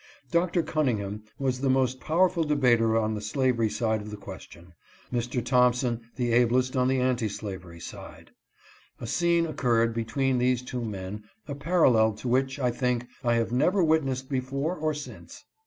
Dr. Cunningham was the most powerful debater on the slavery side of the question, Mr. Thompson the ablest on the anti slavery side. A scene occurred between these two men, a parallel to which I think I have never wit nessed before or since.